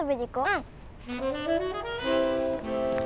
うん。